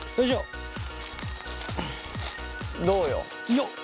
よっ。